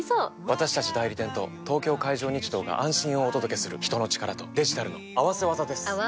私たち代理店と東京海上日動が安心をお届けする人の力とデジタルの合わせ技です！